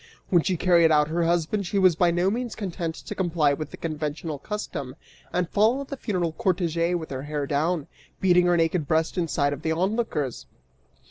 When she carried out her husband she was by no means content to comply with the conventional custom and follow the funeral cortege with her hair down, beating her naked breast in sight of the onlookers!